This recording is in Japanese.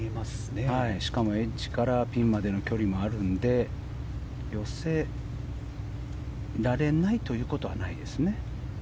しかもエッジからピンまでの距離もあるんで寄せられないということはないですね。